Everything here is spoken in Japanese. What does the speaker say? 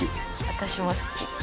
私も好き。